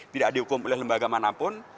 tidak dihukum oleh lembaga manapun